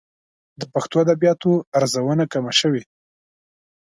د پښتو ادبياتو ارزونه کمه شوې.